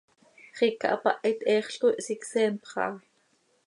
Xiica hapahit heexl coi hsicseenpx aha.